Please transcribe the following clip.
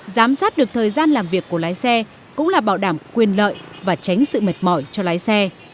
giám sát được thời gian làm việc của lái xe cũng là bảo đảm quyền lợi và tránh sự mệt mỏi cho lái xe